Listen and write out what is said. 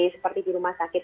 seperti di rumah sakit